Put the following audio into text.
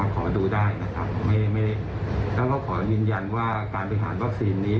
ขอดูได้นะครับแล้วก็ขอยืนยันว่าการบริหารวัคซีนนี้